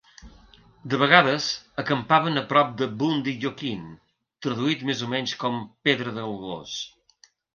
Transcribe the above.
De vegades acampaven a prop de "Boondie Yokine" - traduït més o menys com "pedra del gos".